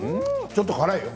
ちょっと辛いよ。